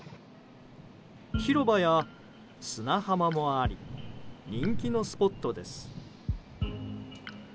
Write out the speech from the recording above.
広場や砂浜もあり人気のスポットです。